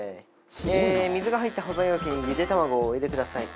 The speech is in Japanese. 水が入った保存容器にゆで卵をお入れください。